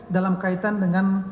dalam kaitan dengan